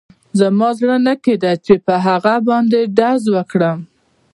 زما زړه نه کېده چې په هغه باندې ډز وکړم